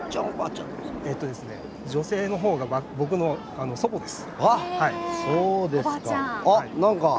女性の方が僕の祖母です。